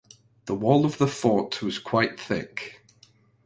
The wall of the fort was quite thick.